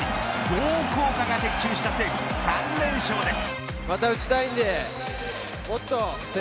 ＧＯ効果が的中した西武３連勝です。